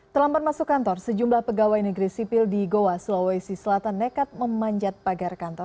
terlambat masuk kantor sejumlah pegawai negeri sipil di goa sulawesi selatan nekat memanjat pagar kantor